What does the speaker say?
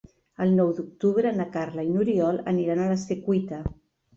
El nou d'octubre na Carla i n'Oriol aniran a la Secuita.